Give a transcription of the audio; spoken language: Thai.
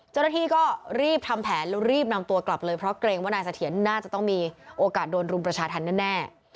เจ้าหน้าที่ก็รีบทำแผนแล้วรีบนำตัวกลับเลยเพราะเกรงว่านายเสถียรน่าจะต้องมีโอกาสโดนรุมประชาธรรมแน่